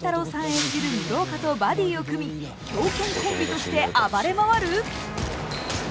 演じる室岡とバディを組み、狂犬コンビとして暴れ回る？